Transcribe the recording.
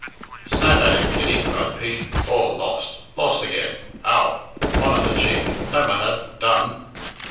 "Snap at it, Kitty!" cried Pete. "Aw, lost! Lost again! Ow! One in the cheek! No matter! Done!"